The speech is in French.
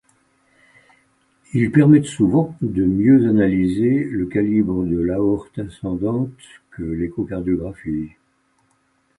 Ils permettent souvent de mieux analyser le calibre de l’aorte ascendante que l’échocardiographie.